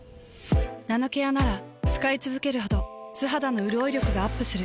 ナノケアなら使いつづけるほど素肌のうるおい力がアップする。